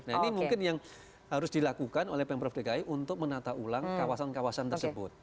nah ini mungkin yang harus dilakukan oleh pemprov dki untuk menata ulang kawasan kawasan tersebut